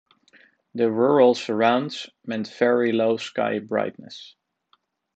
The rural surrounds meant very low sky brightness.